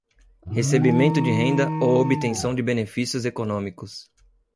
recebimento de renda ou obtenção de benefícios econômicos;